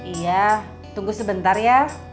iya tunggu sebentar ya